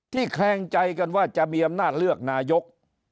ที่แขลงใจว่าจะมีอำนาจเลือกนายก